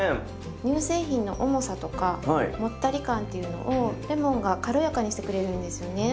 乳製品の重さとかもったり感っていうのをレモンが軽やかにしてくれるんですよね。